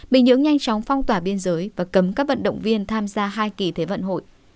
bình nhưỡng nhanh chóng phong tỏa biên giới và cấm các vận động viên tham gia hai kỳ thế vận hội